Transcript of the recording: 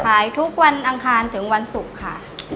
ขายทุกวันอังคารถึงวันศุกร์ค่ะ